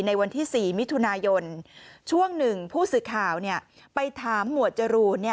ในวันที่๔มิถุนายนช่วงหนึ่งผู้สื่อข่าวไปถามหมวดจรูน